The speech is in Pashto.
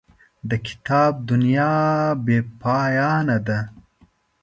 د کتاب دنیا بې پایانه ده.